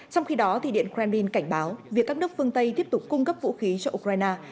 trong khi đó điện kremlin cảnh báo việc các nước phương tây tiếp tục cung cấp vũ khí cho ukraine